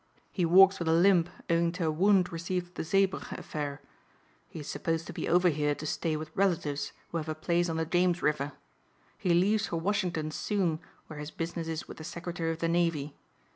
He walks with a limp owing to a wound received at the Zeebrugge affair. He is supposed to be over here to stay with relatives who have a place on the James River. He leaves for Washington soon where his business is with the Secretary of the Navy.